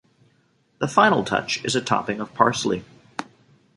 The final touch is a topping of parsley.